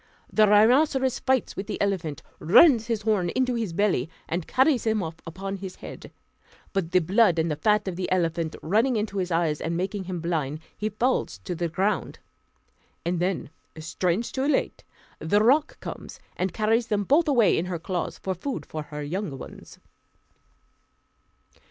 The rhinoceros fights with the elephant, runs his horn into his belly, and carries him off upon his head; but the blood and the fat of the elephant running into his eyes and making him blind, he falls to the ground; and then, strange to relate, the roc comes and carries them both away in her claws, for food for her young ones.